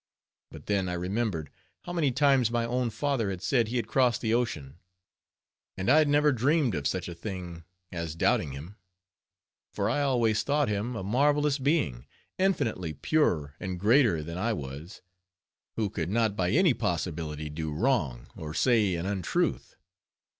But then I remembered, how many times my own father had said he had crossed the ocean; and I had never dreamed of such a thing as doubting him; for I always thought him a marvelous being, infinitely purer and greater than I was, who could not by any possibility do wrong, or say an untruth.